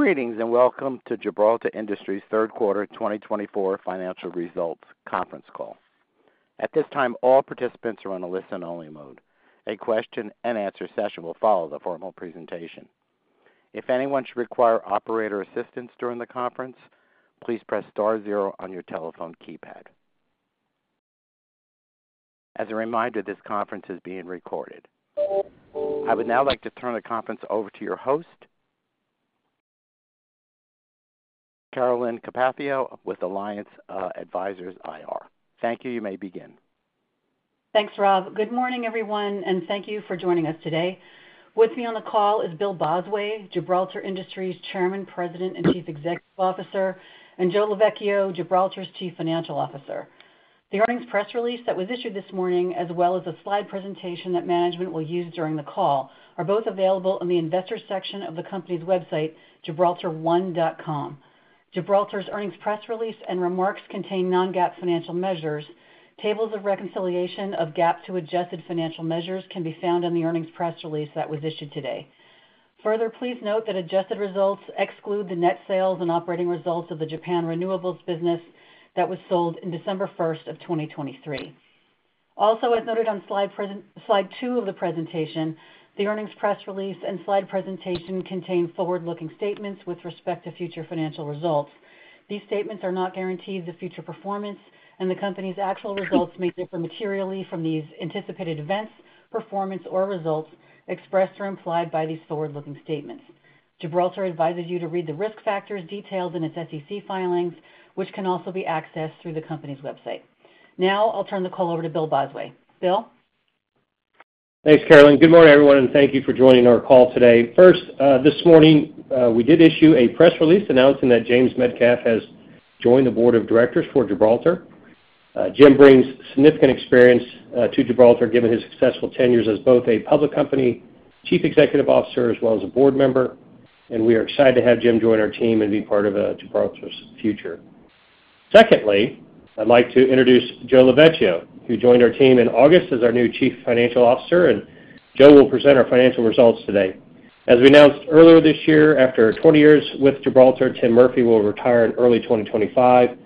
Greetings and welcome to Gibraltar Industries' Third Quarter 2024 Financial Results Conference Call. At this time, all participants are on a listen-only mode. A question-and-answer session will follow the formal presentation. If anyone should require operator assistance during the conference, please press star zero on your telephone keypad. As a reminder, this conference is being recorded. I would now like to turn the conference over to your host, Carolyn Capaccio with Alliance Advisors IR. Thank you. You may begin. Thanks, Rob. Good morning, everyone, and thank you for joining us today. With me on the call is Bill Bosway, Gibraltar Industries' Chairman, President, and Chief Executive Officer, and Joe Lovechio, Gibraltar's Chief Financial Officer. The earnings press release that was issued this morning, as well as the slide presentation that management will use during the call, are both available in the investor section of the company's website, gibraltar1.com. Gibraltar's earnings press release and remarks contain non-GAAP financial measures. Tables of reconciliation of GAAP to adjusted financial measures can be found on the earnings press release that was issued today. Further, please note that adjusted results exclude the net sales and operating results of the Japan Renewables business that was sold on December 1st of 2023. Also, as noted on slide two of the presentation, the earnings press release and slide presentation contain forward-looking statements with respect to future financial results. These statements are not guaranteed the future performance, and the company's actual results may differ materially from these anticipated events, performance, or results expressed or implied by these forward-looking statements. Gibraltar advises you to read the risk factors detailed in its SEC filings, which can also be accessed through the company's website. Now, I'll turn the call over to Bill Bosway. Bill? Thanks, Carolyn. Good morning, everyone, and thank you for joining our call today. First, this morning, we did issue a press release announcing that James Metcalf has joined the board of directors for Gibraltar. Jim brings significant experience to Gibraltar given his successful tenures as both a public company Chief Executive Officer as well as a board member, and we are excited to have Jim join our team and be part of Gibraltar's future. Secondly, I'd like to introduce Joe Lovechio, who joined our team in August as our new Chief Financial Officer, and Joe will present our financial results today. As we announced earlier this year, after 20 years with Gibraltar, Tim Murphy will retire in early 2025.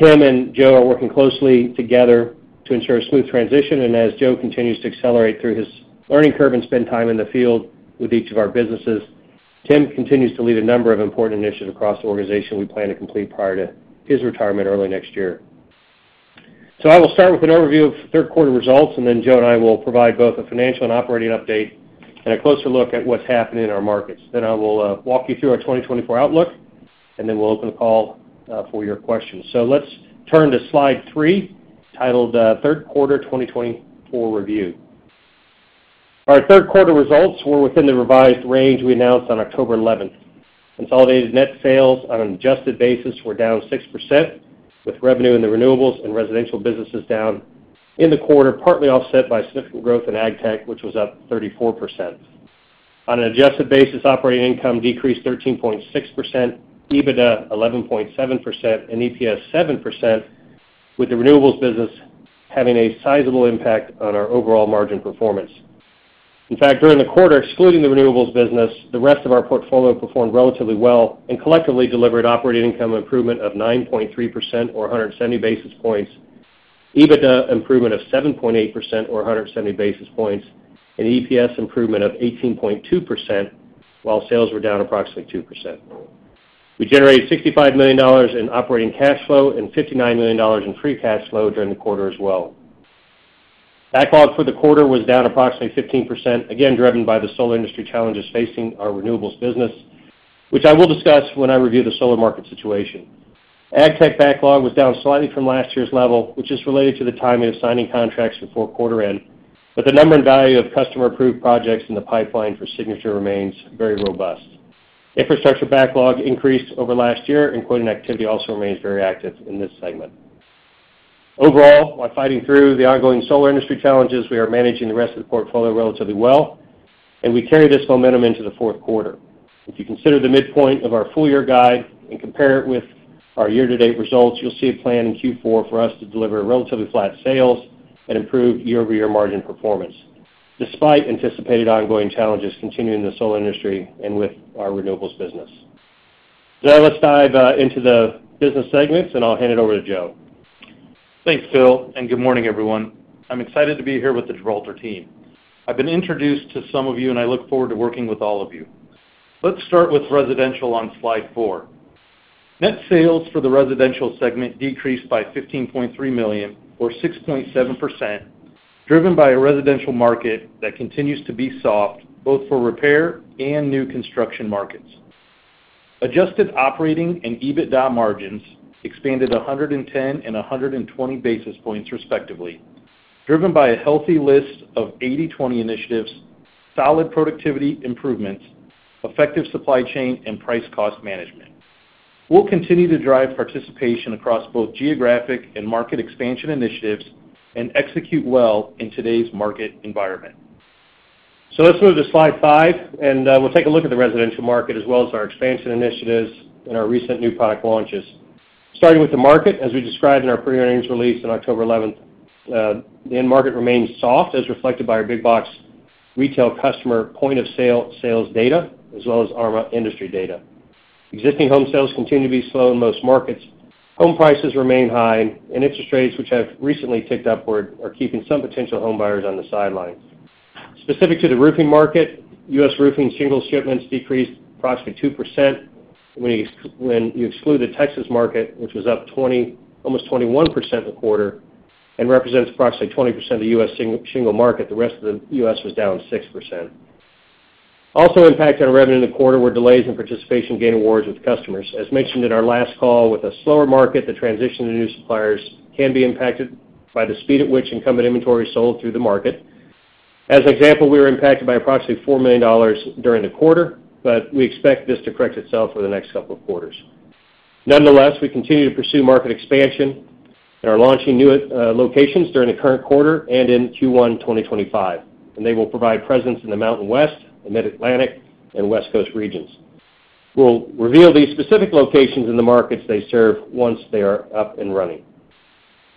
Tim and Joe are working closely together to ensure a smooth transition, and as Joe continues to accelerate through his learning curve and spend time in the field with each of our businesses, Tim continues to lead a number of important initiatives across the organization we plan to complete prior to his retirement early next year. So I will start with an overview of third-quarter results, and then Joe and I will provide both a financial and operating update and a closer look at what's happening in our markets. Then I will walk you through our 2024 outlook, and then we'll open the call for your questions. So let's turn to slide 3 titled Third Quarter 2024 Review. Our third-quarter results were within the revised range we announced on October 11th. Consolidated net sales on an adjusted basis were down 6%, with revenue in the renewables and residential businesses down in the quarter, partly offset by significant growth in ag tech, which was up 34%. On an adjusted basis, operating income decreased 13.6%, EBITDA 11.7%, and EPS 7%, with the renewables business having a sizable impact on our overall margin performance. In fact, during the quarter, excluding the renewables business, the rest of our portfolio performed relatively well and collectively delivered operating income improvement of 9.3% or 170 basis points, EBITDA improvement of 7.8% or 170 basis points, and EPS improvement of 18.2%, while sales were down approximately 2%. We generated $65 million in operating cash flow and $59 million in free cash flow during the quarter as well. Backlog for the quarter was down approximately 15%, again driven by the solar industry challenges facing our renewables business, which I will discuss when I review the solar market situation. Ag tech backlog was down slightly from last year's level, which is related to the timing of signing contracts before quarter end, but the number and value of customer-approved projects in the pipeline for signature remains very robust. Infrastructure backlog increased over last year, and quoting activity also remains very active in this segment. Overall, while fighting through the ongoing solar industry challenges, we are managing the rest of the portfolio relatively well, and we carry this momentum into the fourth quarter. If you consider the midpoint of our full-year guide and compare it with our year-to-date results, you'll see a plan in Q4 for us to deliver relatively flat sales and improved year-over-year margin performance, despite anticipated ongoing challenges continuing in the solar industry and with our renewables business. So let's dive into the business segments, and I'll hand it over to Joe. Thanks, Bill, and good morning, everyone. I'm excited to be here with the Gibraltar team. I've been introduced to some of you, and I look forward to working with all of you. Let's start with residential on slide 4. Net sales for the residential segment decreased by $15.3 million, or 6.7%, driven by a residential market that continues to be soft, both for repair and new construction markets. Adjusted operating and EBITDA margins expanded 110 and 120 basis points, respectively, driven by a healthy list of 80/20 Initiatives, solid productivity improvements, effective supply chain, and price-cost management. We'll continue to drive participation across both geographic and market expansion initiatives and execute well in today's market environment. So let's move to slide 5, and we'll take a look at the residential market as well as our expansion initiatives and our recent new product launches. Starting with the market, as we described in our pre-earnings release on October 11th, the end market remains soft, as reflected by our big box retail customer point-of-sale sales data as well as ARMA industry data. Existing home sales continue to be slow in most markets. Home prices remain high, and interest rates, which have recently ticked upward, are keeping some potential home buyers on the sidelines. Specific to the roofing market, U.S. roofing single shipments decreased approximately 2%. When you exclude the Texas market, which was up almost 21% in the quarter and represents approximately 20% of the U.S. single market, the rest of the U.S. was down 6%. Also impacted on revenue in the quarter were delays in participation gain awards with customers. As mentioned in our last call, with a slower market, the transition to new suppliers can be impacted by the speed at which incumbent inventory is sold through the market. As an example, we were impacted by approximately $4 million during the quarter, but we expect this to correct itself over the next couple of quarters. Nonetheless, we continue to pursue market expansion and are launching new locations during the current quarter and in Q1 2025, and they will provide presence in the Mountain West, the Mid-Atlantic, and West Coast regions. We'll reveal these specific locations in the markets they serve once they are up and running.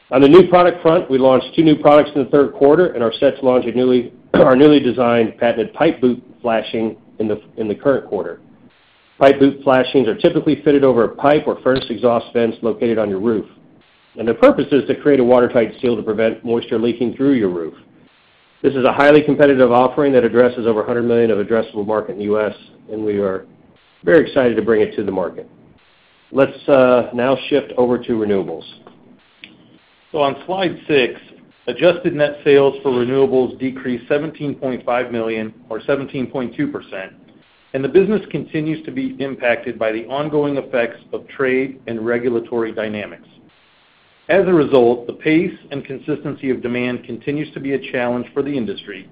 On the new product front, we launched two new products in the third quarter and are set to launch our newly designed patented Pipe Boot Flashing in the current quarter. Pipe boot flashings are typically fitted over a pipe or furnace exhaust vents located on your roof, and the purpose is to create a watertight seal to prevent moisture leaking through your roof. This is a highly competitive offering that addresses over $100 million of addressable market in the U.S., and we are very excited to bring it to the market. Let's now shift over to renewables, so on slide 6, adjusted net sales for renewables decreased $17.5 million, or 17.2%, and the business continues to be impacted by the ongoing effects of trade and regulatory dynamics. As a result, the pace and consistency of demand continues to be a challenge for the industry,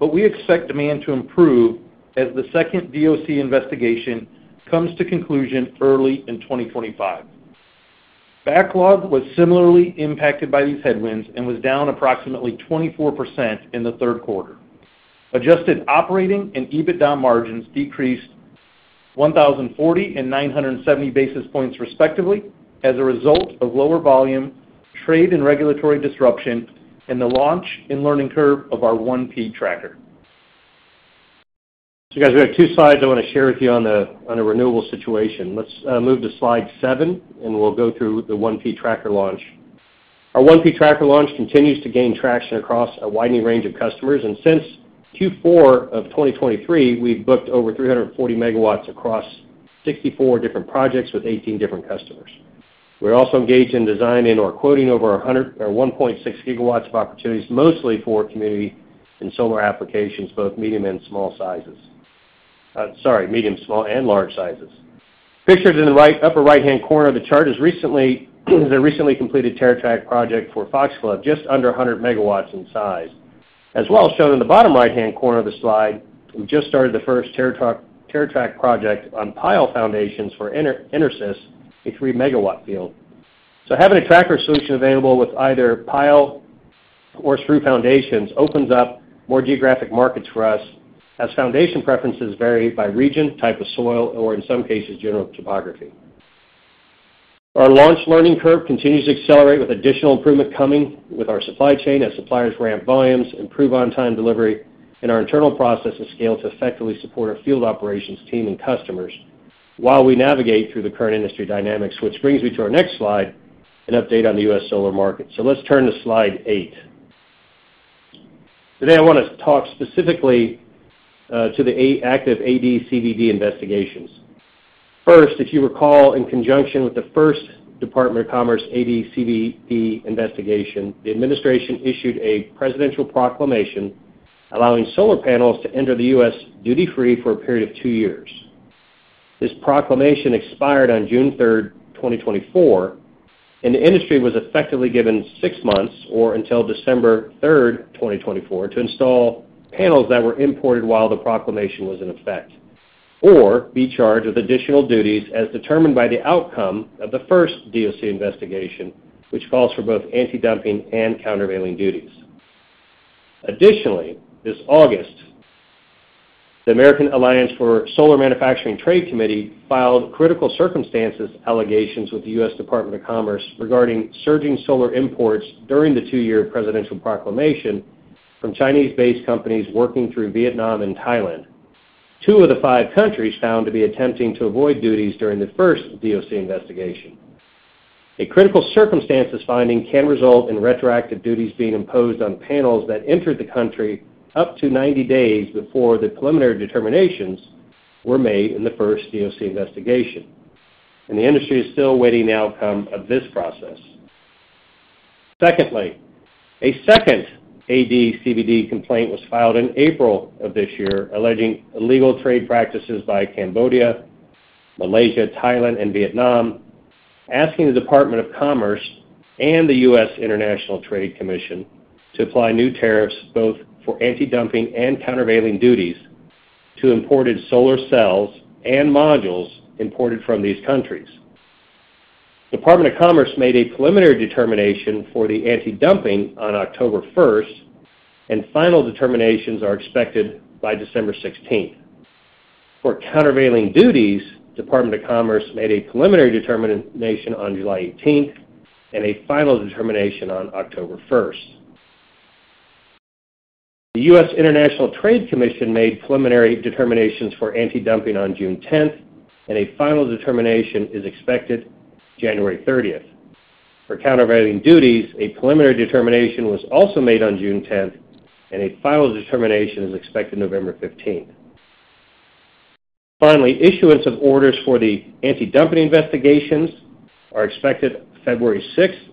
but we expect demand to improve as the second DOC investigation comes to conclusion early in 2025. Backlog was similarly impacted by these headwinds and was down approximately 24% in the third quarter. Adjusted operating and EBITDA margins decreased 1,040 and 970 basis points, respectively, as a result of lower volume, trade and regulatory disruption, and the launch and learning curve of our 1P Tracker. Guys, we have two slides I want to share with you on the renewable situation. Let's move to slide 7, and we'll go through the 1P Tracker launch. Our 1P Tracker launch continues to gain traction across a widening range of customers, and since Q4 of 2023, we've booked over 340 MW across 64 different projects with 18 different customers. We're also engaged in design and/or quoting over 1.6 GW of opportunities, mostly for community and solar applications, both medium and small sizes. Sorry, medium, small, and large sizes. Pictured in the upper right-hand corner of the chart is a recently completed TerraTrak project for Foxglove, just under 100 MW in size. As well as shown in the bottom right-hand corner of the slide, we just started the first TerraTrack project on pile foundations for EnerSys, a 3 MW field. So having a tracker solution available with either pile or screw foundations opens up more geographic markets for us, as foundation preferences vary by region, type of soil, or in some cases, general topography. Our launch learning curve continues to accelerate with additional improvement coming with our supply chain, as suppliers ramp volumes, improve on-time delivery, and our internal processes scale to effectively support our field operations team and customers while we navigate through the current industry dynamics, which brings me to our next slide, an update on the U.S. solar market. So let's turn to slide 8. Today, I want to talk specifically to the active ADCVD investigations. First, if you recall, in conjunction with the first Department of Commerce ADCVD investigation, the administration issued a presidential proclamation allowing solar panels to enter the U.S. duty-free for a period of two years. This proclamation expired on June 3rd, 2024, and the industry was effectively given six months, or until December 3rd, 2024, to install panels that were imported while the proclamation was in effect, or be charged with additional duties as determined by the outcome of the first DOC investigation, which calls for both anti-dumping and countervailing duties. Additionally, this August, the American Alliance for Solar Manufacturing Trade Committee filed critical circumstances allegations with the U.S. Department of Commerce regarding surging solar imports during the two-year presidential proclamation from Chinese-based companies working through Vietnam and Thailand. Two of the five countries found to be attempting to avoid duties during the first DOC investigation. A critical circumstances finding can result in retroactive duties being imposed on panels that entered the country up to 90 days before the preliminary determinations were made in the first DOC investigation, and the industry is still awaiting the outcome of this process. Secondly, a second ADCVD complaint was filed in April of this year, alleging illegal trade practices by Cambodia, Malaysia, Thailand, and Vietnam, asking the Department of Commerce and the U.S. International Trade Commission to apply new tariffs both for anti-dumping and countervailing duties to imported solar cells and modules imported from these countries. The Department of Commerce made a preliminary determination for the anti-dumping on October 1st, and final determinations are expected by December 16th. For countervailing duties, the Department of Commerce made a preliminary determination on July 18th and a final determination on October 1st. The U.S. International Trade Commission made preliminary determinations for anti-dumping on June 10th, and a final determination is expected January 30th. For countervailing duties, a preliminary determination was also made on June 10th, and a final determination is expected November 15th. Finally, issuance of orders for the anti-dumping investigations are expected February 6th,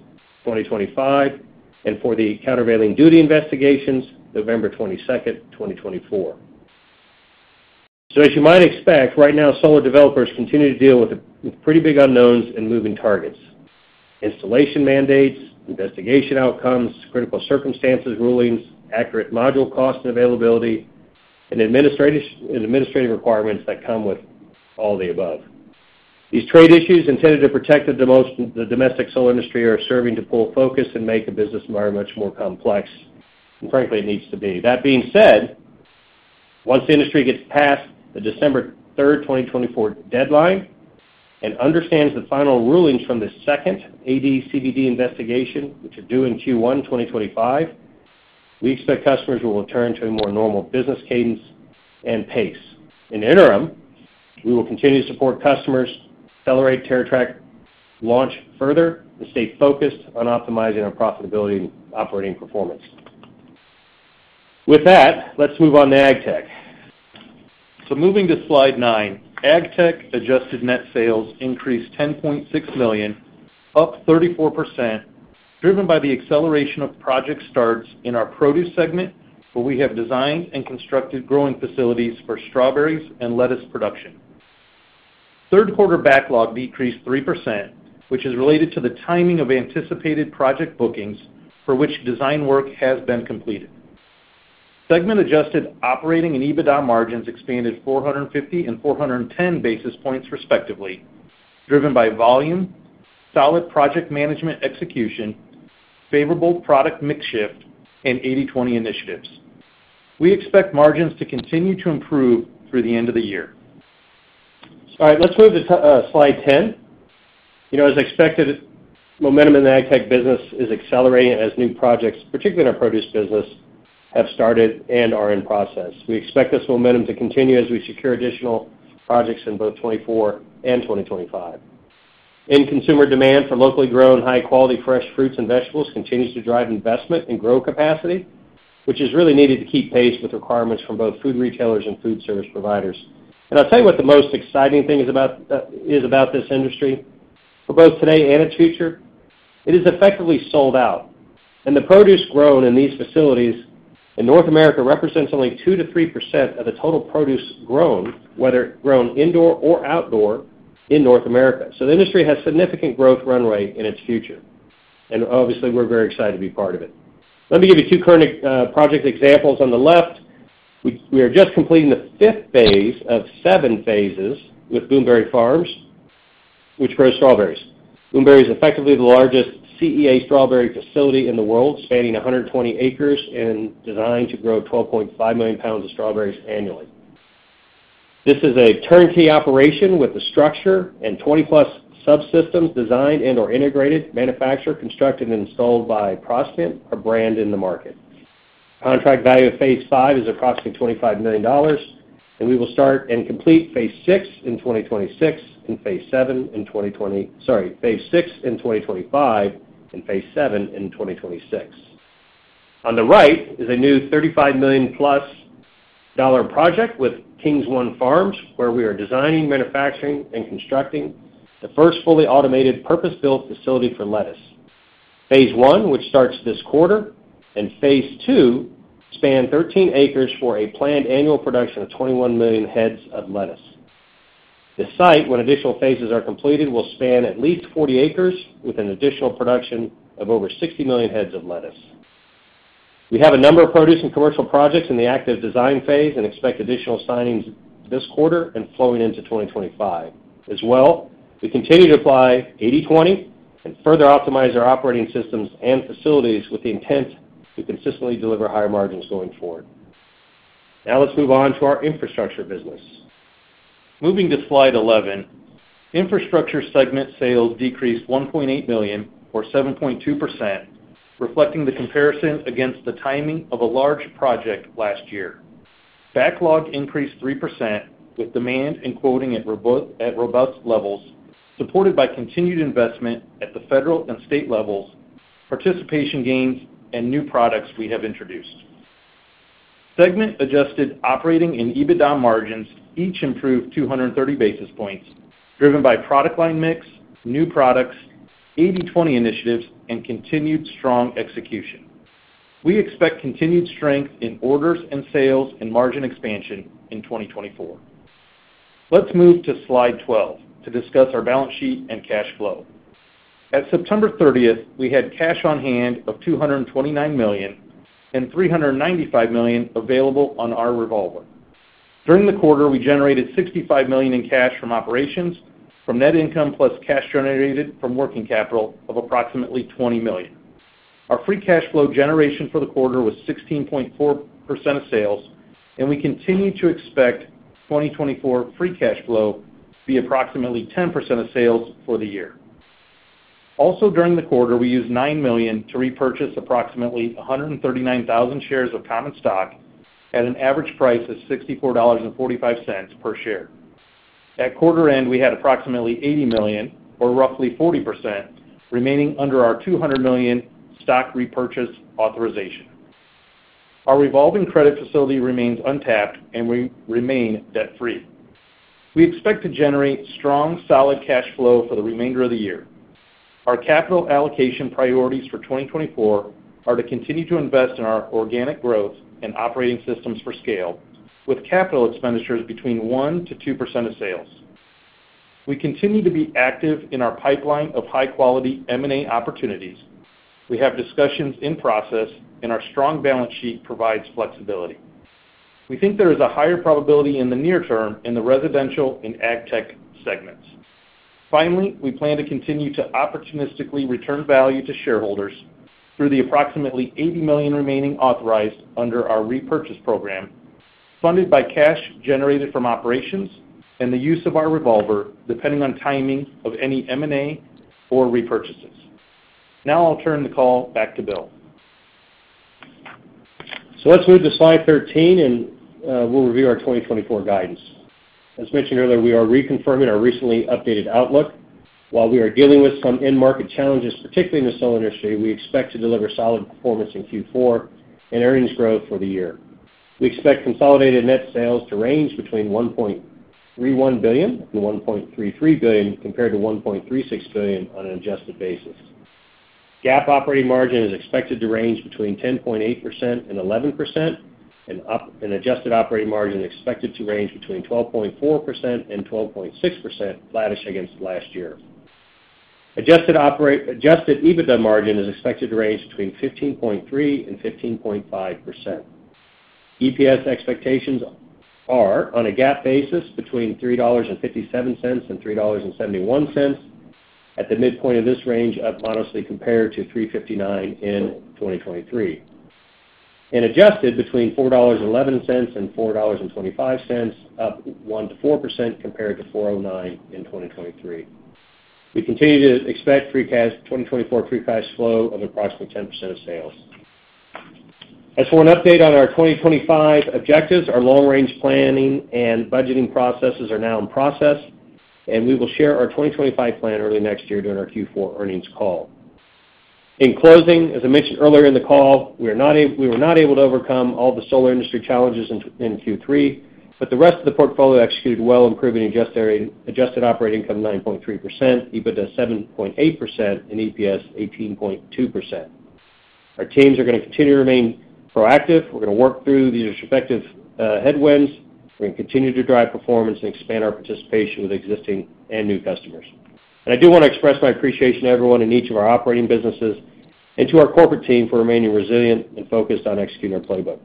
2025, and for the countervailing duty investigations, November 22nd, 2024. So as you might expect, right now, solar developers continue to deal with pretty big unknowns and moving targets: installation mandates, investigation outcomes, critical circumstances rulings, accurate module cost and availability, and administrative requirements that come with all the above. These trade issues intended to protect the domestic solar industry are serving to pull focus and make a business environment much more complex, and frankly, it needs to be. That being said, once the industry gets past the December 3rd, 2024, deadline and understands the final rulings from the second ADCVD investigation, which are due in Q1 2025, we expect customers will return to a more normal business cadence and pace. In the interim, we will continue to support customers, accelerate TerraTrack launch further, and stay focused on optimizing our profitability and operating performance. With that, let's move on to ag tech. So moving to slide 9, ag tech adjusted net sales increased $10.6 million, up 34%, driven by the acceleration of project starts in our produce segment, where we have designed and constructed growing facilities for strawberries and lettuce production. Third-quarter backlog decreased 3%, which is related to the timing of anticipated project bookings for which design work has been completed. Segment-adjusted operating and EBITDA margins expanded 450 and 410 basis points, respectively, driven by volume, solid project management execution, favorable product mix shift, and 80/20 Initiatives. We expect margins to continue to improve through the end of the year. All right, let's move to slide 10. As expected, momentum in the ag tech business is accelerating as new projects, particularly in our produce business, have started and are in process. We expect this momentum to continue as we secure additional projects in both 2024 and 2025. End-consumer demand for locally grown, high-quality fresh fruits and vegetables continues to drive investment and grow capacity, which is really needed to keep pace with requirements from both food retailers and food service providers. And I'll tell you what the most exciting thing is about this industry for both today and its future. It is effectively sold out, and the produce grown in these facilities in North America represents only 2%-3% of the total produce grown, whether grown indoor or outdoor in North America. So the industry has significant growth runway in its future, and obviously, we're very excited to be part of it. Let me give you two current project examples. On the left, we are just completing the fifth phase of seven phases with Booneberry Farms, which grows strawberries. Booneberry is effectively the largest CEA strawberry facility in the world, spanning 120 acres and designed to grow 12.5 million pounds of strawberries annually. This is a turnkey operation with the structure and 20+ subsystems designed and/or integrated, manufactured, constructed, and installed by Prospiant, our brand in the market. Contract value of phase five is approximately $25 million, and we will start and complete Phase VI in 2026 and phase seven in 2020, sorry, Phase VI in 2025 and Phase VII in 2026. On the right is a new $35 million+ project with King's One Farms, where we are designing, manufacturing, and constructing the first fully automated purpose-built facility for lettuce. Phase one, which starts this quarter, and phase two span 13 acres for a planned annual production of 21 million heads of lettuce. The site, when additional phases are completed, will span at least 40 acres with an additional production of over 60 million heads of lettuce. We have a number of produce and commercial projects in the active design phase and expect additional signings this quarter and flowing into 2025. As well, we continue to apply 80/20 and further optimize our operating systems and facilities with the intent to consistently deliver higher margins going forward. Now let's move on to our infrastructure business. Moving to slide 11, infrastructure segment sales decreased $1.8 million or 7.2%, reflecting the comparison against the timing of a large project last year. Backlog increased 3% with demand and quoting at robust levels, supported by continued investment at the federal and state levels, participation gains, and new products we have introduced. Segment-adjusted operating and EBITDA margins each improved 230 basis points, driven by product line mix, new products, 80/20 initiatives, and continued strong execution. We expect continued strength in orders and sales and margin expansion in 2024. Let's move to slide 12 to discuss our balance sheet and cash flow. At September 30th, we had cash on hand of $229 million and $395 million available on our revolver. During the quarter, we generated $65 million in cash from operations, from net income plus cash generated from working capital of approximately $20 million. Our free cash flow generation for the quarter was 16.4% of sales, and we continue to expect 2024 free cash flow to be approximately 10% of sales for the year. Also, during the quarter, we used $9 million to repurchase approximately 139,000 shares of common stock at an average price of $64.45 per share. At quarter end, we had approximately $80 million, or roughly 40%, remaining under our $200 million stock repurchase authorization. Our revolving credit facility remains untapped, and we remain debt-free. We expect to generate strong, solid cash flow for the remainder of the year. Our capital allocation priorities for 2024 are to continue to invest in our organic growth and operating systems for scale, with capital expenditures between 1%-2% of sales. We continue to be active in our pipeline of high-quality M&A opportunities. We have discussions in process, and our strong balance sheet provides flexibility. We think there is a higher probability in the near term in the residential and ag tech segments. Finally, we plan to continue to opportunistically return value to shareholders through the approximately $80 million remaining authorized under our repurchase program, funded by cash generated from operations and the use of our revolver, depending on timing of any M&A or repurchases. Now I'll turn the call back to Bill. So let's move to slide 13, and we'll review our 2024 guidance. As mentioned earlier, we are reconfirming our recently updated outlook. While we are dealing with some in-market challenges, particularly in the solar industry, we expect to deliver solid performance in Q4 and earnings growth for the year. We expect consolidated net sales to range between $1.31 billion and $1.33 billion, compared to $1.36 billion on an adjusted basis. GAAP operating margin is expected to range between 10.8% and 11%, and adjusted operating margin is expected to range between 12.4% and 12.6%, flattish against last year. Adjusted EBITDA margin is expected to range between 15.3% and 15.5%. EPS expectations are on a GAAP basis between $3.57 and $3.71 at the midpoint of this range up modestly compared to $3.59 in 2023, and adjusted between $4.11 and $4.25, up 1% to 4% compared to $4.09 in 2023. We continue to expect 2024 free cash flow of approximately 10% of sales. As for an update on our 2025 objectives, our long-range planning and budgeting processes are now in process, and we will share our 2025 plan early next year during our Q4 earnings call. In closing, as I mentioned earlier in the call, we were not able to overcome all the solar industry challenges in Q3, but the rest of the portfolio executed well, improving adjusted operating income 9.3%, EBITDA 7.8%, and EPS 18.2%. Our teams are going to continue to remain proactive. We're going to work through these respective headwinds. We're going to continue to drive performance and expand our participation with existing and new customers. And I do want to express my appreciation to everyone in each of our operating businesses and to our corporate team for remaining resilient and focused on executing our playbook.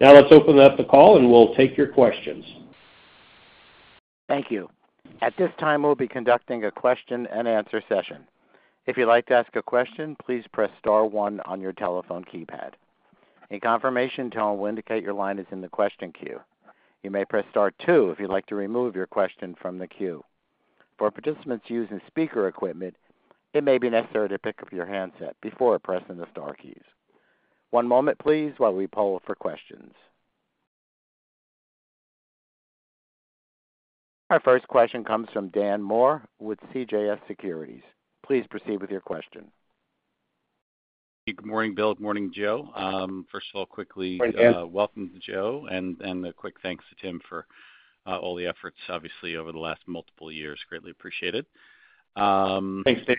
Now let's open up the call, and we'll take your questions. Thank you. At this time, we'll be conducting a question-and-answer session. If you'd like to ask a question, please press star one on your telephone keypad. In confirmation, Tom will indicate your line is in the question queue. You may press star two if you'd like to remove your question from the queue. For participants using speaker equipment, it may be necessary to pick up your handset before pressing the star keys. One moment, please, while we poll for questions. Our first question comes from Dan Moore with CJS Securities. Please proceed with your question. Good morning, Bill. Good morning, Joe. First of all, quickly welcome to Joe and a quick thanks to Tim for all the efforts, obviously, over the last multiple years. Greatly appreciate it. Thanks, Dan.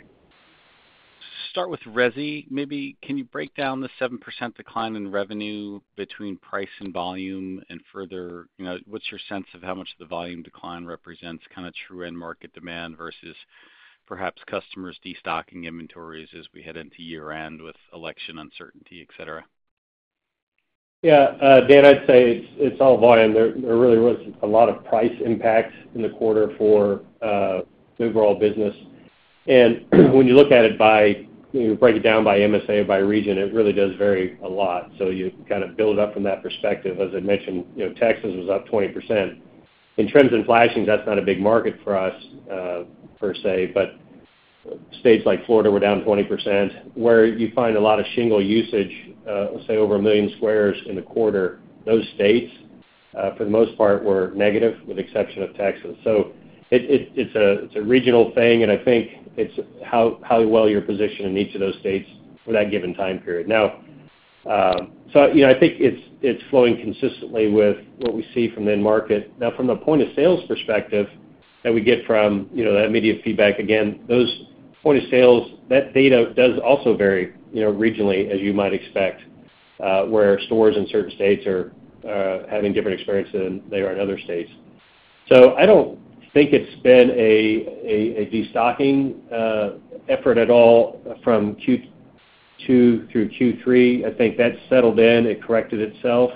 Start with Rezi. Maybe can you break down the 7% decline in revenue between price and volume and further what's your sense of how much the volume decline represents kind of true end market demand versus perhaps customers destocking inventories as we head into year-end with election uncertainty, etc.? Yeah, Dan, I'd say it's all volume. There really wasn't a lot of price impact in the quarter for the overall business, and when you look at it by, break it down by MSA or by region, it really does vary a lot. So you kind of build it up from that perspective. As I mentioned, Texas was up 20%. In vents and flashings, that's not a big market for us per se, but states like Florida were down 20%, where you find a lot of shingle usage, say, over a million squares in the quarter. Those states, for the most part, were negative with the exception of Texas. So it's a regional thing, and I think it's how well you're positioned in each of those states for that given time period. Now, so I think it's flowing consistently with what we see from the end market. Now, from the point of sales perspective that we get from that media feedback, again, those point of sales, that data does also vary regionally, as you might expect, where stores in certain states are having different experiences than they are in other states. So I don't think it's been a destocking effort at all from Q2 through Q3. I think that settled in. It corrected itself.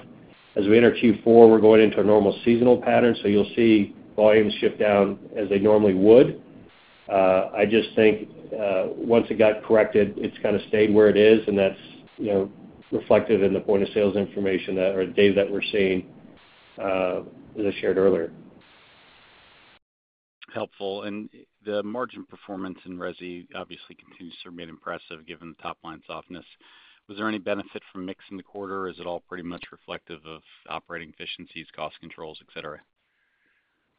As we enter Q4, we're going into a normal seasonal pattern. So you'll see volumes shift down as they normally would. I just think once it got corrected, it's kind of stayed where it is, and that's reflected in the point of sales information or data that we're seeing, as I shared earlier. Helpful. And the margin performance in Rezi obviously continues to remain impressive given the top-line softness. Was there any benefit from mixing the quarter? Is it all pretty much reflective of operating efficiencies, cost controls, etc.?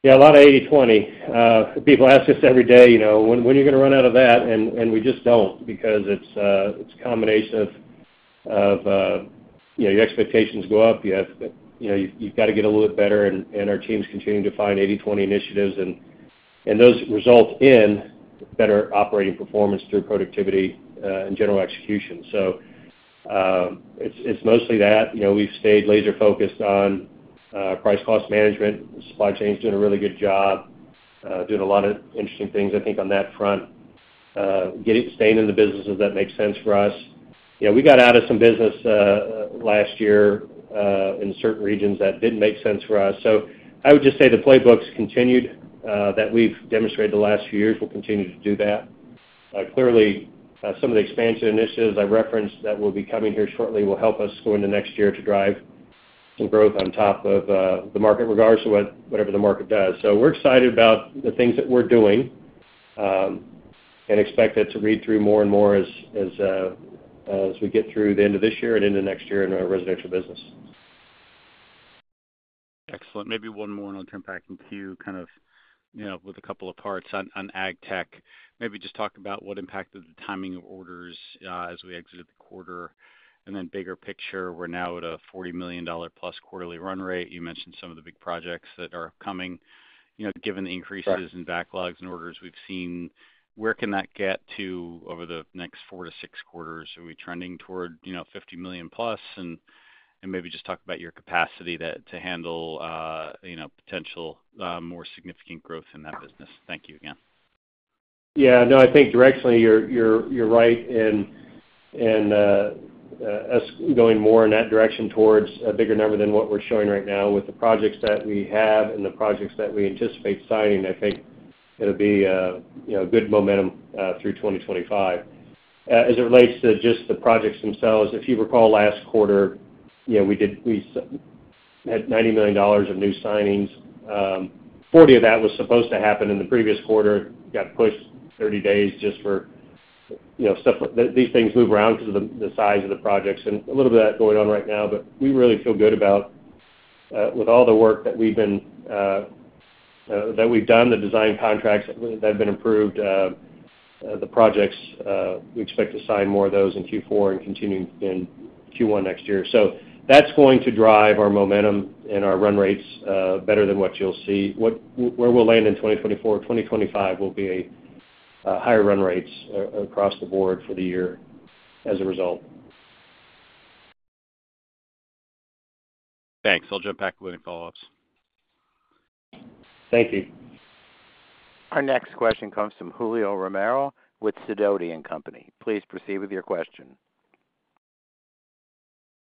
Yeah, a lot of 80/20. People ask us every day, "When are you going to run out of that?" And we just don't because it's a combination of your expectations go up, you've got to get a little bit better, and our teams continue to find 80/20 initiatives, and those result in better operating performance through productivity and general execution. So it's mostly that. We've stayed laser-focused on price-cost management. The supply chain's doing a really good job, doing a lot of interesting things, I think, on that front, staying in the businesses that make sense for us. Yeah, we got out of some business last year in certain regions that didn't make sense for us. So I would just say the playbook's continued that we've demonstrated the last few years. We'll continue to do that. Clearly, some of the expansion initiatives I referenced that will be coming here shortly will help us go into next year to drive some growth on top of the market, regardless of whatever the market does. So we're excited about the things that we're doing and expect it to read through more and more as we get through the end of this year and into next year in our residential business. Excellent. Maybe one more, and I'll jump back to you kind of with a couple of parts on ag tech. Maybe just talk about what impacted the timing of orders as we exited the quarter. And then bigger picture, we're now at a $40 million+ quarterly run rate. You mentioned some of the big projects that are coming. Given the increases in backlogs and orders we've seen, where can that get to over the next four to six quarters? Are we trending toward $50 million+? And maybe just talk about your capacity to handle potential more significant growth in that business. Thank you again. Yeah, no, I think directionally, you're right in us going more in that direction towards a bigger number than what we're showing right now. With the projects that we have and the projects that we anticipate signing, I think it'll be a good momentum through 2025. As it relates to just the projects themselves, if you recall last quarter, we had $90 million of new signings. 40 of that was supposed to happen in the previous quarter. Got pushed 30 days just for stuff. These things move around because of the size of the projects, and a little bit of that going on right now. But we really feel good about, with all the work that we've done, the design contracts that have been approved, the projects. We expect to sign more of those in Q4 and continue in Q1 next year. So that's going to drive our momentum and our run rates better than what you'll see. Where we'll land in 2024, 2025 will be higher run rates across the board for the year as a result. Thanks. I'll jump back Joe and Bosway. Thank you. Our next question comes from Julio Romero with Sidoti & Company. Please proceed with your question.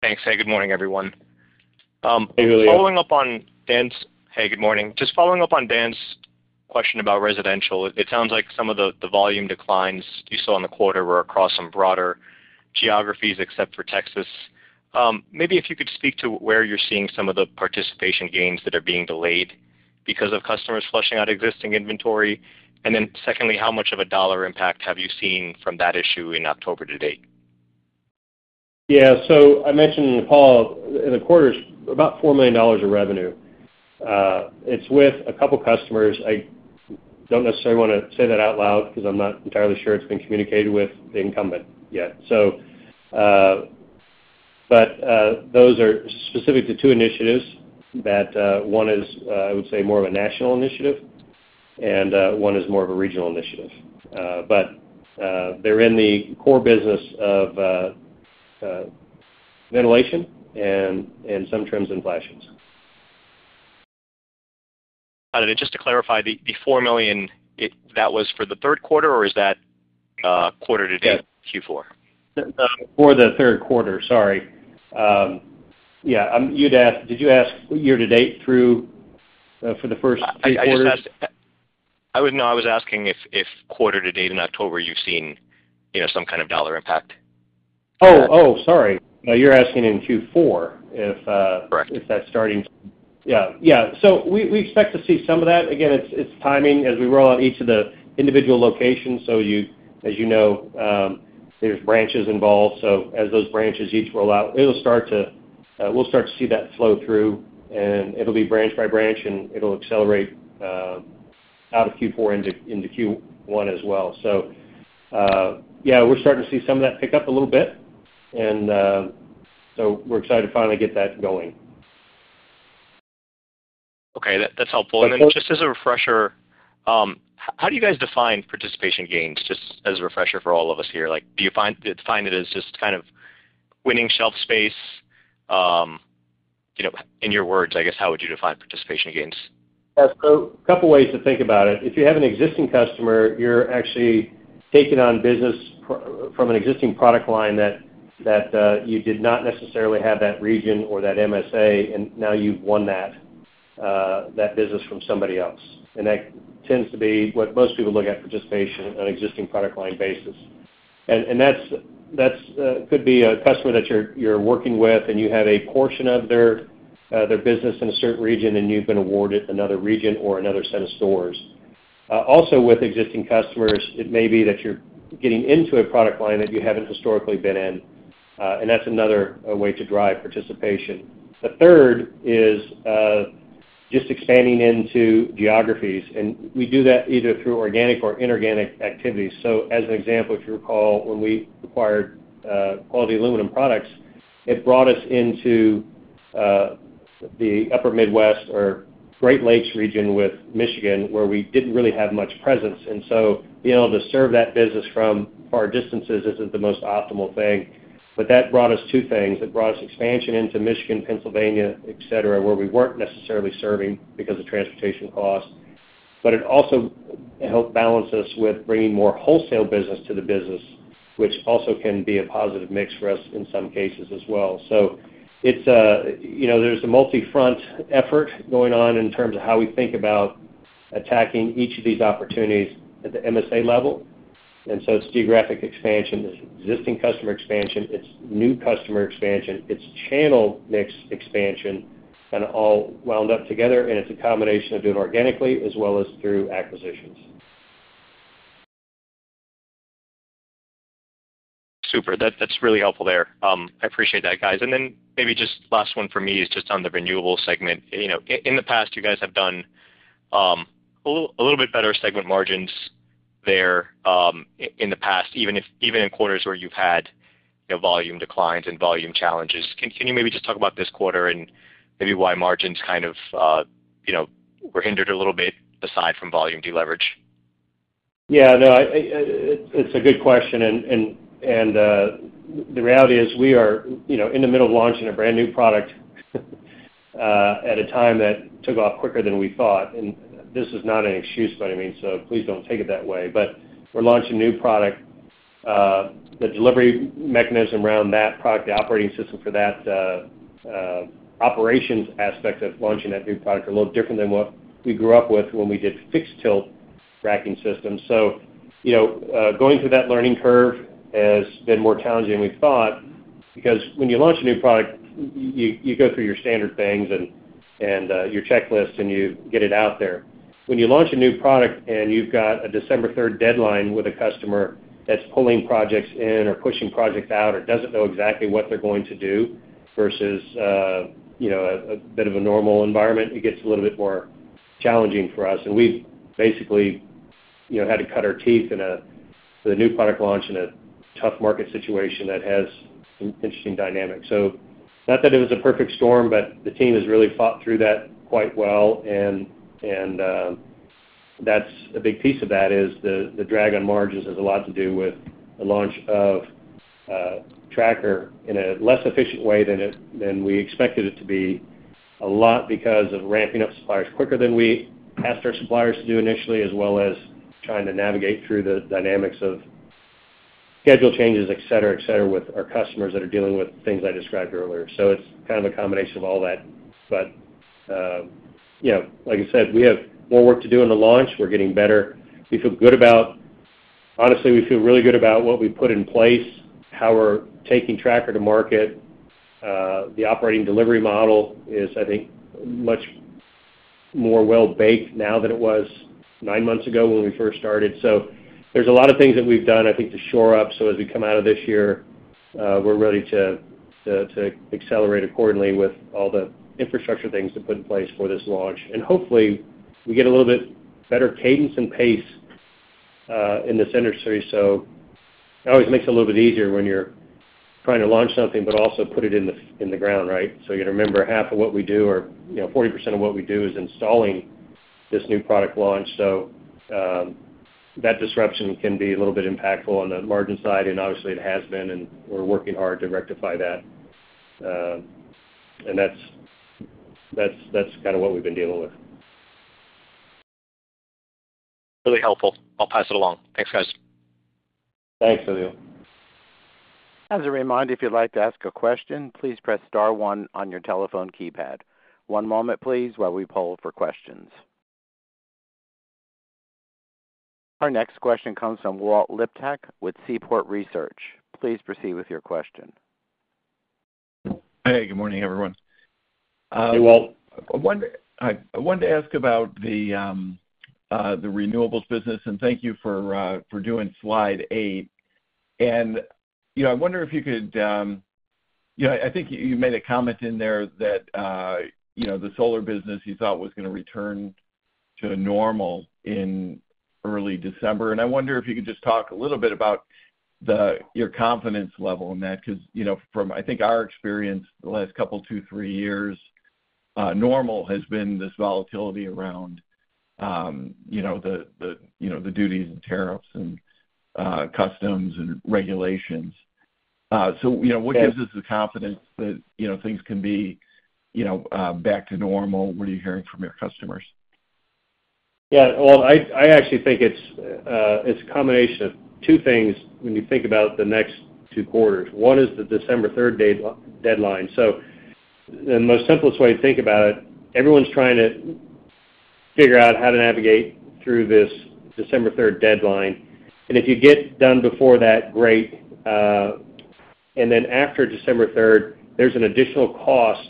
Thanks. Hey, good morning, everyone. Hey, Julio. Following up on Dan's, hey, good morning. Just following up on Dan's question about residential, it sounds like some of the volume declines you saw in the quarter were across some broader geographies except for Texas. Maybe if you could speak to where you're seeing some of the participation gains that are being delayed because of customers flushing out existing inventory. And then secondly, how much of a dollar impact have you seen from that issue in October to date? Yeah, so I mentioned in the quarter, about $4 million of revenue. It's with a couple of customers. I don't necessarily want to say that out loud because I'm not entirely sure it's been communicated with the incumbent yet. But those are specific to two initiatives. One is, I would say, more of a national initiative, and one is more of a regional initiative. But they're in the core business of ventilation and some trims and flashings. Just to clarify, the $4 million, that was for the third quarter, or is that quarter-to-date Q4? For the third quarter, sorry. Yeah, did you ask year-to-date through for the first three quarters? No, I was asking if quarter-to-date in October you've seen some kind of dollar impact. Sorry. You're asking in Q4 if that's starting to, yeah. Yeah, so we expect to see some of that. Again, it's timing as we roll out each of the individual locations. So as you know, there's branches involved. So as those branches each roll out, we'll start to see that flow through, and it'll be branch by branch, and it'll accelerate out of Q4 into Q1 as well. So yeah, we're starting to see some of that pick up a little bit. And so we're excited to finally get that going. Okay, that's helpful. And then just as a refresher, how do you guys define participation gains? Just as a refresher for all of us here, do you find it as just kind of winning shelf space? In your words, I guess, how would you define participation gains? A couple of ways to think about it. If you have an existing customer, you're actually taking on business from an existing product line that you did not necessarily have that region or that MSA, and now you've won that business from somebody else. And that tends to be what most people look at, participation on an existing product line basis. That could be a customer that you're working with, and you have a portion of their business in a certain region, and you've been awarded another region or another set of stores. Also, with existing customers, it may be that you're getting into a product line that you haven't historically been in, and that's another way to drive participation. The third is just expanding into geographies. And we do that either through organic or inorganic activities. So as an example, if you recall, when we acquired Quality Aluminum Products, it brought us into the Upper Midwest or Great Lakes region with Michigan, where we didn't really have much presence. And so being able to serve that business from far distances isn't the most optimal thing. But that brought us two things. It brought us expansion into Michigan, Pennsylvania, etc., where we weren't necessarily serving because of transportation costs. But it also helped balance us with bringing more wholesale business to the business, which also can be a positive mix for us in some cases as well. So there's a multi-front effort going on in terms of how we think about attacking each of these opportunities at the MSA level. And so it's geographic expansion, it's existing customer expansion, it's new customer expansion, it's channel mix expansion, kind of all wound up together. And it's a combination of doing organically as well as through acquisitions. Super. That's really helpful there. I appreciate that, guys. And then maybe just last one for me is just on the renewable segment. In the past, you guys have done a little bit better segment margins there in the past, even in quarters where you've had volume declines and volume challenges. Can you maybe just talk about this quarter and maybe why margins kind of were hindered a little bit aside from volume deleverage? Yeah, no, it's a good question. And the reality is we are in the middle of launching a brand new product at a time that took off quicker than we thought. And this is not an excuse, but I mean, so please don't take it that way. But we're launching a new product. The delivery mechanism around that product, the operating system for that operations aspect of launching that new product is a little different than what we grew up with when we did fixed tilt racking systems. So going through that learning curve has been more challenging than we thought because when you launch a new product, you go through your standard things and your checklist, and you get it out there. When you launch a new product and you've got a December 3rd deadline with a customer that's pulling projects in or pushing projects out or doesn't know exactly what they're going to do versus a bit of a normal environment, it gets a little bit more challenging for us. And we've basically had to cut our teeth with a new product launch in a tough market situation that has an interesting dynamic. So not that it was a perfect storm, but the team has really fought through that quite well. That's a big piece of that is the drag on margins has a lot to do with the launch of Tracker in a less efficient way than we expected it to be, a lot because of ramping up suppliers quicker than we asked our suppliers to do initially, as well as trying to navigate through the dynamics of schedule changes, etc., etc., with our customers that are dealing with things I described earlier. So it's kind of a combination of all that. But like I said, we have more work to do in the launch. We're getting better. We feel good about, honestly, we feel really good about what we put in place, how we're taking Tracker to market. The operating delivery model is, I think, much more well-baked now than it was nine months ago when we first started. So there's a lot of things that we've done, I think, to shore up. So as we come out of this year, we're ready to accelerate accordingly with all the infrastructure things to put in place for this launch. And hopefully, we get a little bit better cadence and pace in this industry. So it always makes it a little bit easier when you're trying to launch something, but also put it in the ground, right? So you remember half of what we do or 40% of what we do is installing this new product launch. So that disruption can be a little bit impactful on the margin side, and obviously, it has been, and we're working hard to rectify that. And that's kind of what we've been dealing with. Really helpful. I'll pass it along. Thanks, guys. Thanks, Julio. As a reminder, if you'd like to ask a question, please press star one on your telephone keypad. One moment, please, while we poll for questions. Our next question comes from Walt Liptak with Seaport Research Partners. Please proceed with your question. Hey, good morning, everyone. Hey, Walt. I wanted to ask about the renewables business, and thank you for doing slide eight. And I wonder if you could—I think you made a comment in there that the solar business you thought was going to return to normal in early December. And I wonder if you could just talk a little bit about your confidence level in that because from, I think, our experience the last couple, two, three years, normal has been this volatility around the duties and tariffs and customs and regulations. So what gives us the confidence that things can be back to normal? What are you hearing from your customers? Yeah, well, I actually think it's a combination of two things when you think about the next two quarters. One is the December 3rd deadline. So the most simplest way to think about it, everyone's trying to figure out how to navigate through this December 3rd deadline. And if you get done before that, great. And then after December 3rd, there's an additional cost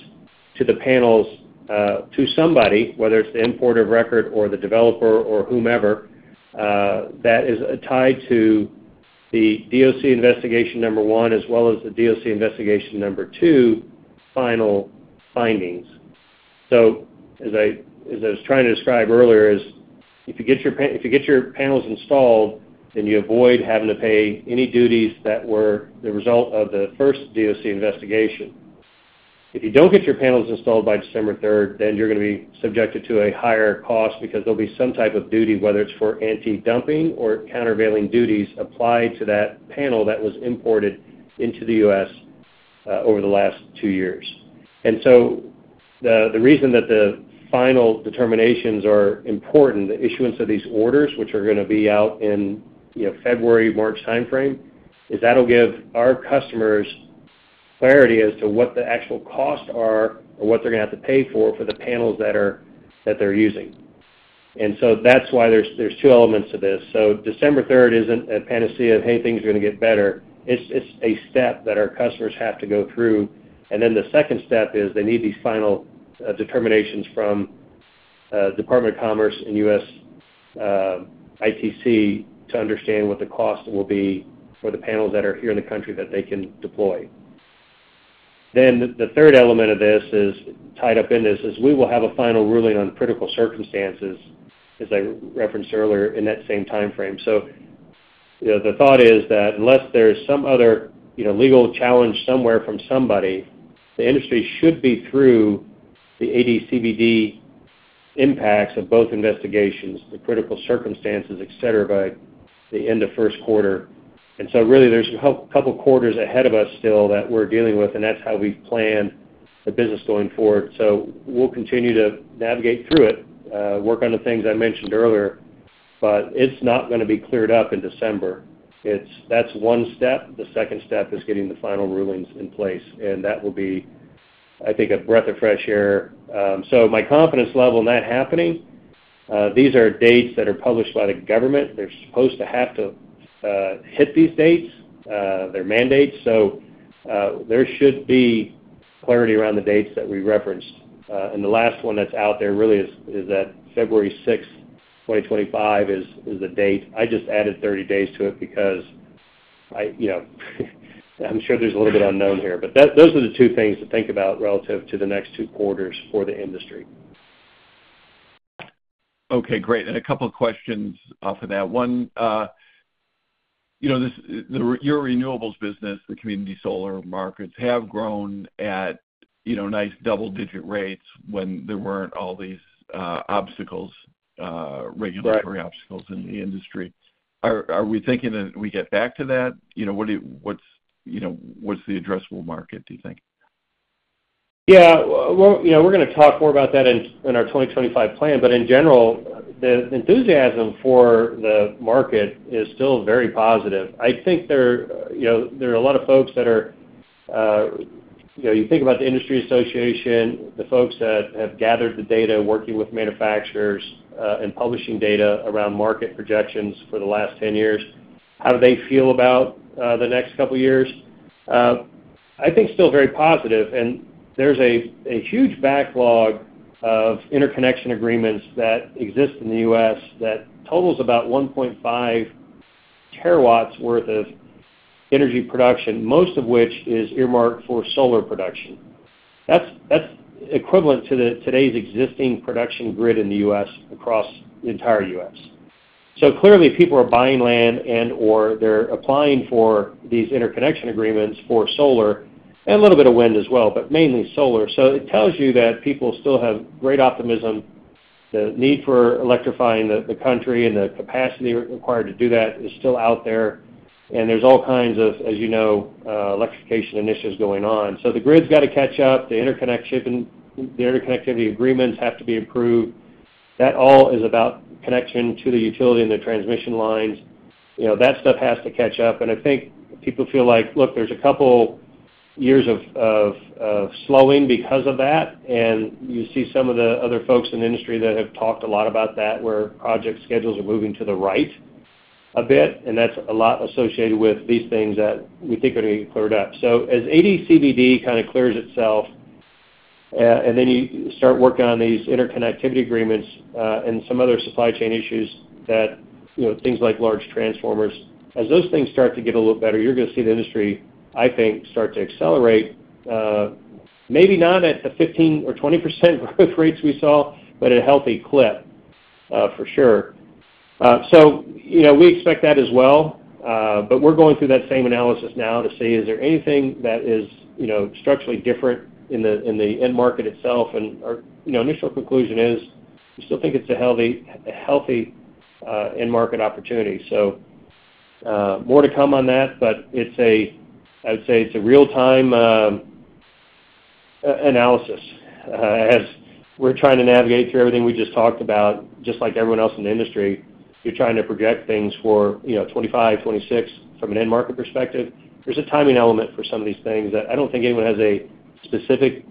to the panels, to somebody, whether it's the importer of record or the developer or whomever, that is tied to the DOC investigation number one as well as the DOC investigation number two final findings. So as I was trying to describe earlier, if you get your panels installed, then you avoid having to pay any duties that were the result of the first DOC investigation. If you don't get your panels installed by December 3rd, then you're going to be subjected to a higher cost because there'll be some type of duty, whether it's for anti-dumping or countervailing duties applied to that panel that was imported into the U.S. over the last two years, and so the reason that the final determinations are important, the issuance of these orders, which are going to be out in February, March timeframe, is that'll give our customers clarity as to what the actual costs are or what they're going to have to pay for the panels that they're using, and so that's why there's two elements to this, so December 3rd isn't a panacea of, "Hey, things are going to get better." It's a step that our customers have to go through. And then the second step is they need these final determinations from the Department of Commerce and U.S. ITC to understand what the cost will be for the panels that are here in the country that they can deploy. Then the third element of this is tied up in this. We will have a final ruling on critical circumstances, as I referenced earlier, in that same timeframe. So the thought is that unless there's some other legal challenge somewhere from somebody, the industry should be through the ADCVD impacts of both investigations, the critical circumstances, etc., by the end of first quarter. And so really, there's a couple of quarters ahead of us still that we're dealing with, and that's how we've planned the business going forward. So we'll continue to navigate through it, work on the things I mentioned earlier, but it's not going to be cleared up in December. That's one step. The second step is getting the final rulings in place, and that will be, I think, a breath of fresh air. So my confidence level in that happening, these are dates that are published by the government. They're supposed to have to hit these dates, their mandates. So there should be clarity around the dates that we referenced. And the last one that's out there really is that February 6th, 2025 is the date. I just added 30 days to it because I'm sure there's a little bit unknown here. But those are the two things to think about relative to the next two quarters for the industry. Okay, great, and a couple of questions off of that. One, your renewables business, the community solar markets have grown at nice double-digit rates when there weren't all these obstacles, regulatory obstacles in the industry. Are we thinking that we get back to that? What's the addressable market, do you think? Yeah, we're going to talk more about that in our 2025 plan. But in general, the enthusiasm for the market is still very positive. I think there are a lot of folks that are—you think about the Industry Association, the folks that have gathered the data, working with manufacturers and publishing data around market projections for the last 10 years. How do they feel about the next couple of years? I think still very positive, and there's a huge backlog of interconnection agreements that exist in the U.S. that totals about 1.5 terawatts worth of energy production, most of which is earmarked for solar production. That's equivalent to today's existing production grid in the U.S. across the entire U.S. So clearly, people are buying land and/or they're applying for these interconnection agreements for solar and a little bit of wind as well, but mainly solar. So it tells you that people still have great optimism. The need for electrifying the country and the capacity required to do that is still out there. And there's all kinds of, as you know, electrification initiatives going on. So the grid's got to catch up. The interconnection agreements have to be approved. That all is about connection to the utility and the transmission lines. That stuff has to catch up. I think people feel like, "Look, there's a couple years of slowing because of that." You see some of the other folks in the industry that have talked a lot about that, where project schedules are moving to the right a bit. That's a lot associated with these things that we think are going to get cleared up. So as ADCVD kind of clears itself, and then you start working on these interconnection agreements and some other supply chain issues that things like large transformers, as those things start to get a little better, you're going to see the industry, I think, start to accelerate, maybe not at the 15% or 20% growth rates we saw, but a healthy clip for sure. We expect that as well. But we're going through that same analysis now to see, is there anything that is structurally different in the end market itself? And our initial conclusion is we still think it's a healthy end market opportunity. So more to come on that, but I would say it's a real-time analysis. As we're trying to navigate through everything we just talked about, just like everyone else in the industry, you're trying to project things for 2025, 2026 from an end market perspective. There's a timing element for some of these things that I don't think anyone has a specific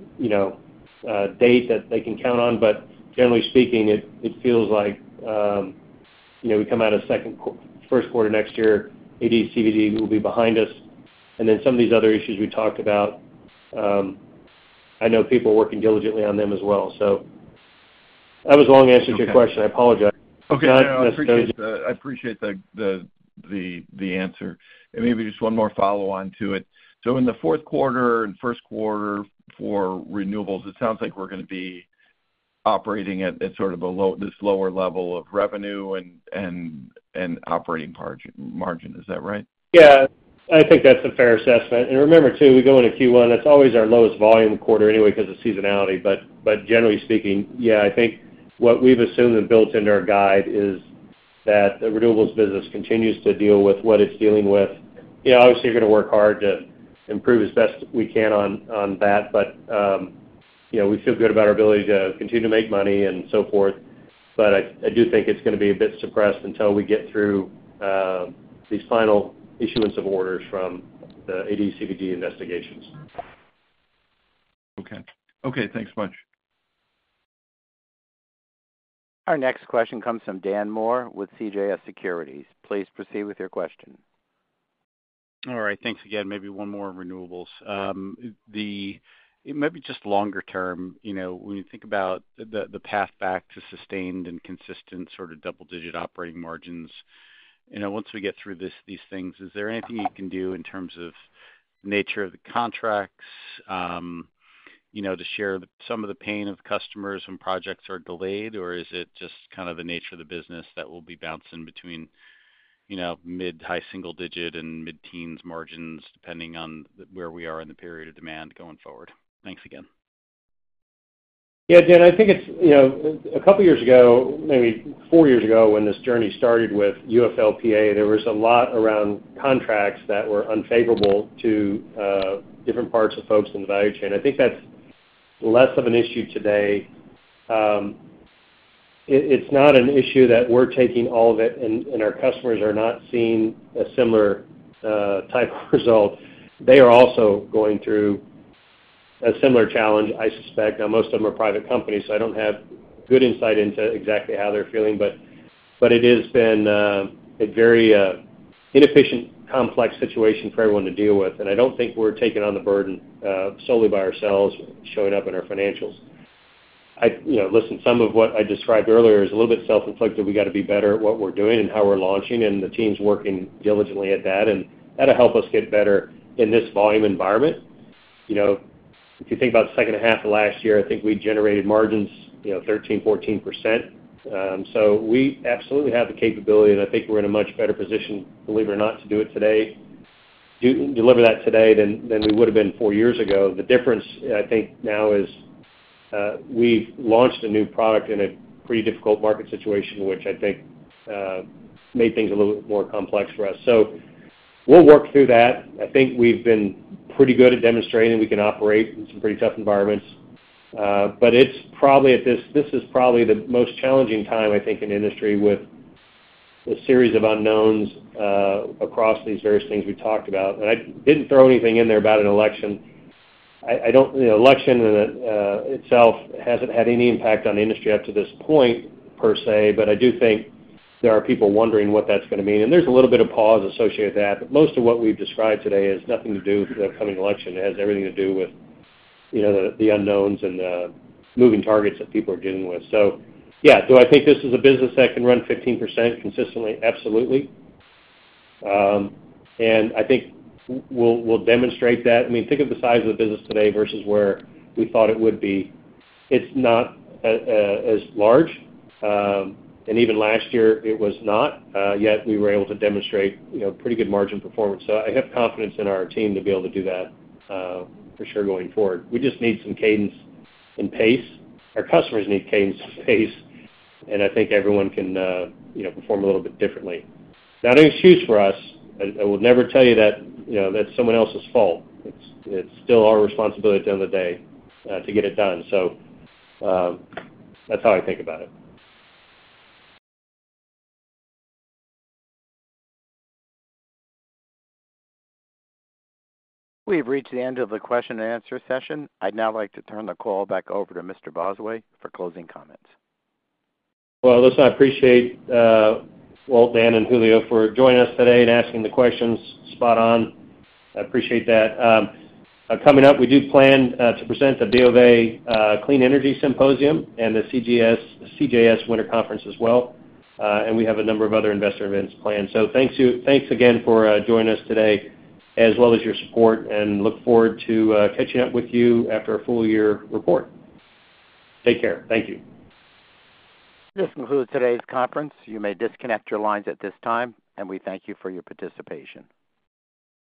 date that they can count on. But generally speaking, it feels like we come out of the first quarter next year, ADCVD will be behind us. And then some of these other issues we talked about, I know people working diligently on them as well. So that was a long answer to your question. I apologize. Okay. No, I appreciate the answer. And maybe just one more follow-on to it. So in the fourth quarter and first quarter for renewables, it sounds like we're going to be operating at sort of this lower level of revenue and operating margin. Is that right? Yeah. I think that's a fair assessment. And remember, too, we go into Q1. That's always our lowest volume quarter anyway because of seasonality. But generally speaking, yeah, I think what we've assumed and built into our guide is that the renewables business continues to deal with what it's dealing with. Obviously, we're going to work hard to improve as best we can on that, but we feel good about our ability to continue to make money and so forth. But I do think it's going to be a bit suppressed until we get through these final issuance of orders from the ADCVD investigations. Okay. Thanks much. Our next question comes from Dan Moore with CJS Securities. Please proceed with your question. All right. Thanks again. Maybe one more on renewables. Maybe just longer term, when you think about the path back to sustained and consistent sort of double-digit operating margins, once we get through these things, is there anything you can do in terms of the nature of the contracts to share some of the pain of customers when projects are delayed, or is it just kind of the nature of the business that will be bouncing between mid-high single digit and mid-teens margins depending on where we are in the period of demand going forward? Thanks again. Yeah, Dan, I think it's a couple of years ago, maybe four years ago when this journey started with UFLPA. There was a lot around contracts that were unfavorable to different parts of folks in the value chain. I think that's less of an issue today. It's not an issue that we're taking all of it, and our customers are not seeing a similar type of result. They are also going through a similar challenge, I suspect. Now, most of them are private companies, so I don't have good insight into exactly how they're feeling, but it has been a very inefficient, complex situation for everyone to deal with. And I don't think we're taking on the burden solely by ourselves, showing up in our financials. Listen, some of what I described earlier is a little bit self-inflicted. We got to be better at what we're doing and how we're launching, and the team's working diligently at that. And that'll help us get better in this volume environment. If you think about the second half of last year, I think we generated margins 13%-14%. So we absolutely have the capability, and I think we're in a much better position, believe it or not, to deliver that today than we would have been four years ago. The difference, I think, now is we've launched a new product in a pretty difficult market situation, which I think made things a little bit more complex for us. So we'll work through that. I think we've been pretty good at demonstrating we can operate in some pretty tough environments. But this is probably the most challenging time, I think, in the industry with a series of unknowns across these various things we talked about. And I didn't throw anything in there about an election. The election itself hasn't had any impact on the industry up to this point, per se, but I do think there are people wondering what that's going to mean. And there's a little bit of pause associated with that. But most of what we've described today has nothing to do with the upcoming election. It has everything to do with the unknowns and the moving targets that people are dealing with. So yeah, do I think this is a business that can run 15% consistently? Absolutely. And I think we'll demonstrate that. I mean, think of the size of the business today versus where we thought it would be. It's not as large. And even last year, it was not. Yet we were able to demonstrate pretty good margin performance. So I have confidence in our team to be able to do that for sure going forward. We just need some cadence and pace. Our customers need cadence and pace. And I think everyone can perform a little bit differently. That excuse for us, I will never tell you that that's someone else's fault. It's still our responsibility at the end of the day to get it done. So that's how I think about it. We've reached the end of the question and answer session. I'd now like to turn the call back over to Mr. Bosway for closing comments. Well, listen, I appreciate Walt and Dan and Julio for joining us today and asking the questions spot on. I appreciate that. Coming up, we do plan to present the BofA Clean Energy Symposium and the CJS Winter Conference as well. And we have a number of other investor events planned. So thanks again for joining us today as well as your support, and look forward to catching up with you after a full year report. Take care. Thank you. This concludes today's conference. You may disconnect your lines at this time, and we thank you for your participation.